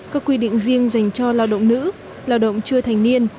các quy định riêng dành cho lao động nữ lao động chưa thành niên